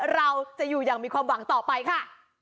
เราจะอยู่อย่างมีความหวังต่อไปค่ะ